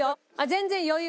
全然余裕。